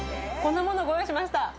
こんなものをご用意しました。